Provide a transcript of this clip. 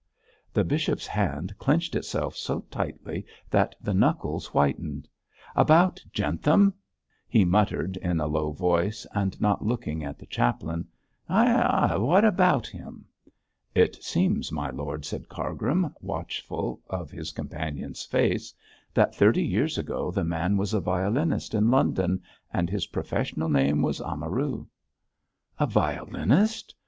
The bishop's hand clenched itself so tightly that the knuckles whitened. 'About Jentham!' he muttered in a low voice, and not looking at the chaplain; 'ay, ay, what about him?' 'It seems, my lord,' said Cargrim, watchful of his companion's face, 'that thirty years ago the man was a violinist in London and his professional name was Amaru.' 'A violinist!